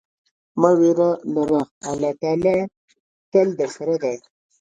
مه ویره لره، الله تل درسره دی.